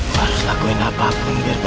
harus lakuin apapun biar pernikahan mereka batal